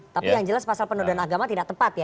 tapi yang jelas pasal penodaan agama tidak tepat ya